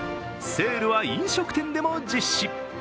セールは飲食店でも実施。